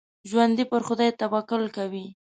ژوندي پر خدای توکل کوي